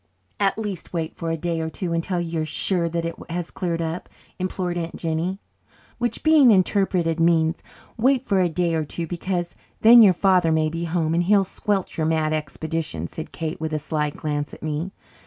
"At least wait for a day or two until you're sure that it has cleared up," implored Aunt Jennie. "Which being interpreted means, 'Wait for a day or two, because then your father may be home and he'll squelch your mad expedition,'" said Kate, with a sly glance at me.